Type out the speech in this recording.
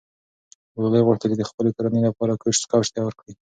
ګلالۍ غوښتل چې د خپلې کورنۍ لپاره کوچ تیار کړي.